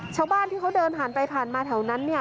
ชาวบ้านที่เขาเดินผ่านไปผ่านมาแถวนั้นเนี่ย